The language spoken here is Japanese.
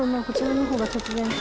こちらの方が突然。